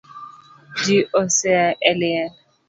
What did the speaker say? Ji osea eliel